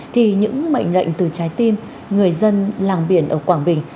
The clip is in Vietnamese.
thì những mệnh lệnh từ trái tim người dân làng biển ở quảng bình